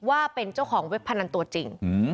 ว่าเป็นเจ้าของเว็บพนันตัวจริง